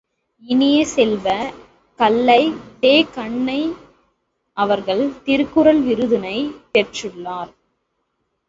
இனிய செல்வ, கல்லை, தே.கண்ணன் அவர்கள் திருக்குறள் விருதினைப் பெற்றுள்ளார்.